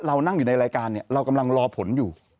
เรานั่งอยู่ในรายการเนี่ยเรากำลังรอผลอยู่